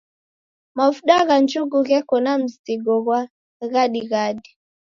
Mavuda gha njugu gheko na mzingo ghwa ghadighadi.